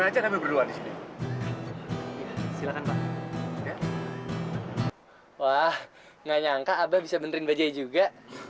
rancang tapi berdua disini silakan pak wah nggak nyangka abah bisa benerin bajai juga